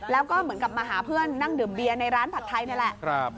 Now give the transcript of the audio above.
แล้วก็เหมือนกับมาหาเพื่อนนั่งดื่มเบียร์ในร้านผัดไทยนี่แหละ